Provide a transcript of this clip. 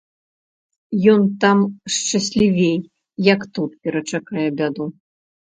Ён там шчаслівей, як тут, перачакае бяду.